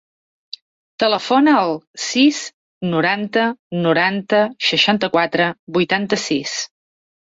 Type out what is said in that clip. Telefona al sis, noranta, noranta, seixanta-quatre, vuitanta-sis.